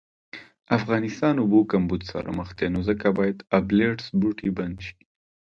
افغانستان اوبو کمبود سره مخ دي نو ځکه باید ابلیټس بوټی بند شي